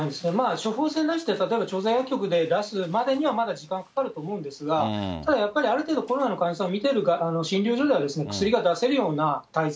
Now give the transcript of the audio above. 処方箋出して調剤薬局で出すまでにはまだ時間かかると思うんですが、ただやっぱり、ある程度、コロナの患者さんを診てる診療所では、薬が出せるような体制。